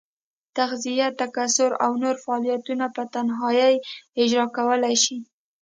تغذیه، تکثر او نور فعالیتونه په تنهایي اجرا کولای شي.